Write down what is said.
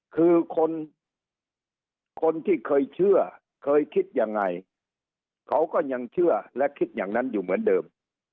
คือคนคนที่เคยเชื่อเคยคิดยังไงเขาก็ยังเชื่อและคิดอย่างนั้นอยู่เหมือนเดิม